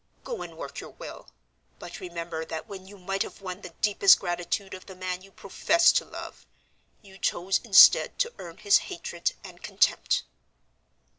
Go and work your will, but remember that when you might have won the deepest gratitude of the man you profess to love, you chose instead to earn his hatred and contempt."